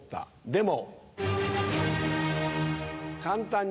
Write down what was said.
でも！